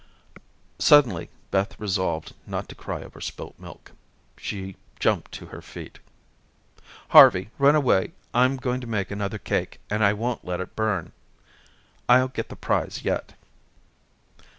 Suddenly Beth resolved not to cry over spilt milk. She jumped to her feet. "Harvey, run away. I'm going to make another cake, and I won't let it burn. I'll get the prize yet."